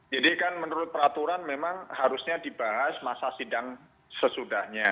jadi kan menurut peraturan memang harusnya dibahas masa sidang sesudahnya